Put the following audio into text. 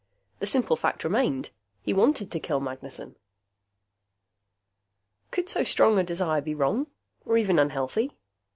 The simple fact remained he wanted to kill Magnessen. Could so strong a desire be wrong? Or even unhealthy?